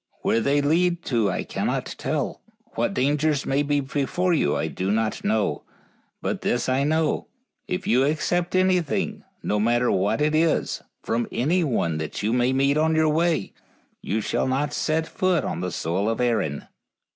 Where they lead to I cannot tell. What dangers may be before you I do not know; but this I know, if you accept anything, no matter what it is, from anyone you may meet on your way, you shall not set foot on the soil of Erin."